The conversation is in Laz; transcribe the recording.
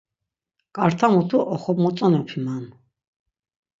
Ǩarta mutu oxomotzonapi man.